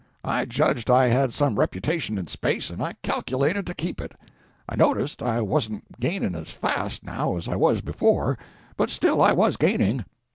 I judged I had some reputation in space, and I calculated to keep it. I noticed I wasn't gaining as fast, now, as I was before, but still I was gaining.